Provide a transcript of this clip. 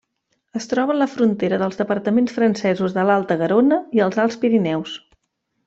Es troba en la frontera dels departaments francesos de l'Alta Garona i els Alts Pirineus.